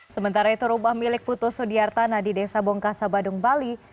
sementara itu rumah milik putu sudiartana di desa bongkasa badung bali